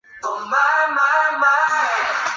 总部位于分别英国。